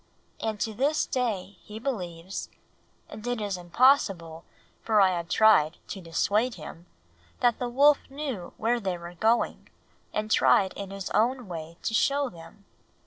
And to this day he believes and it is impossible, for I have tried, to dissuade him that the wolf knew where they were going and tried in his own way to show them.